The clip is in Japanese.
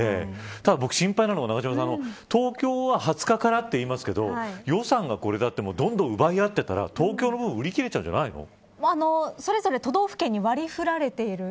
ただ、僕が心配なのは東京は２０日からっていいますけど予算がこれだと奪い合っていたら東京の分は売り切れちゃうんじゃないですか。